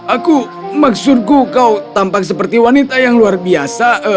aku maksudku kau tampak seperti wanita yang luar biasa